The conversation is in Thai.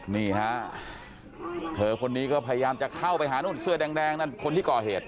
นี่ฮะเธอคนนี้ก็พยายามจะเข้าไปหานู่นเสื้อแดงนั่นคนที่ก่อเหตุ